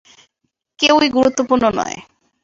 কেউই গুরুত্বপূর্ণ নয়।